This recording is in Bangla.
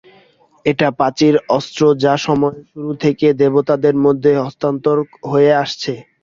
এটা প্রাচীন অস্ত্র যা সময়ের শুরু থেকে দেবতাদের মধ্যে হস্তান্তর হয়ে আসছে।